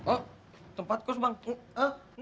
oh tempat kos bang